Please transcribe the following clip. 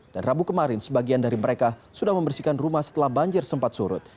dan rabu kemarin sebagian dari mereka sudah membersihkan rumah setelah banjir sempat surut